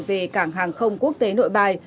về cảng hàng không quốc tế nội bài